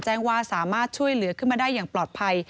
แจ้งว่าสามารถช่วยเหลือขึ้นมาได้อย่างปลอดภัย